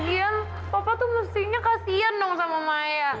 ah gien papa tuh mestinya kasian dong sama maya